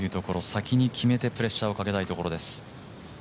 先に決めてプレッシャーをかけたいところです。